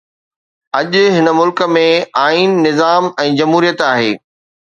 اڄ هن ملڪ ۾ آئين، نظام ۽ جمهوريت آهي.